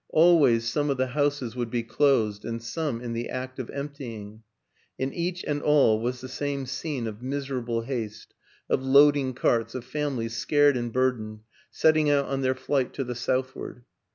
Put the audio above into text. Always some of the houses would be closed and some in the act of emptying; in each and all was the same scene of miserable haste, of loading carts, of families, scared and burdened, setting out on their flight to the southward.